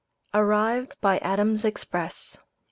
ARRIVED BY ADAMS' EXPRESS.